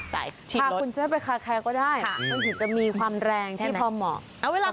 พาคุณเจ๊ไปคาแคร์ก็ได้มันถึงจะมีความแรงที่พอเหมาะ